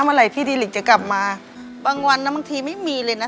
เมื่อไหร่พี่ดีลิกจะกลับมาบางวันนะบางทีไม่มีเลยนะ